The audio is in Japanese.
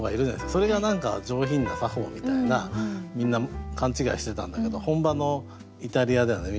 それが何か上品な作法みたいなみんな勘違いしてたんだけど本場のイタリアではね